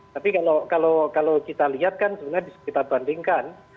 tapi kalau kita lihat kan sebenarnya bisa kita bandingkan